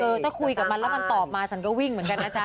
ถ้าคุยกับมันแล้วมันตอบมาฉันก็วิ่งเหมือนกันนะจ๊